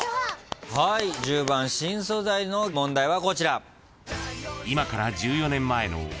はい１０番新素材の問題はこちら。